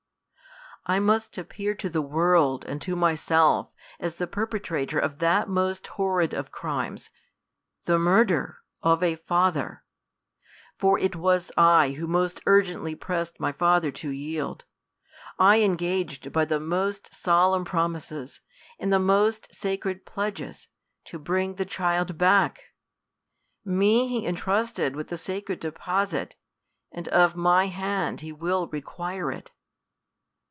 I must appear to the world, and to myself, as th perpetrator of that most horrid of crimes, the murder of a father ; for it was I who most urgently pressed my father to yield, I engaged by the most solem.n pro 1 mises, and the most sacred pledges, to bring the child back. Me he intrusted with the sacred deposit, and of my hand he will require it.